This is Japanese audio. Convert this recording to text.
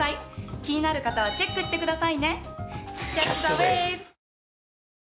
気になる方はチェックしてくださいね。